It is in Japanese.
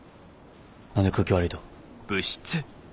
何で空気悪いと。